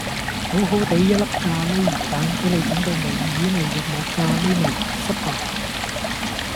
好好哋一粒咖喱魚蛋，俾你整到冇魚味亦都冇咖喱味，失敗